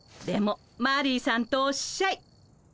でもマリーさんとおっしゃい。